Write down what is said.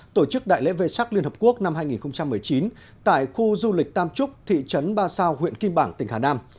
tổ chức đại lễ vê sắc liên hợp quốc năm hai nghìn một mươi chín tại khu du lịch tam trúc thị trấn ba sao huyện kim bảng tỉnh hà nam